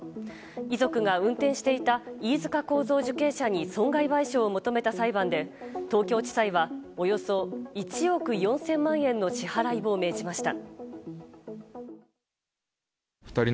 遺族が運転していた飯塚幸三受刑者に損害賠償を求めた裁判で東京地裁はおよそ１億４０００万円の支払いを命じました。